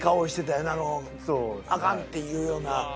アカン！っていうような。